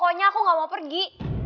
pokoknya aku gak mau pergi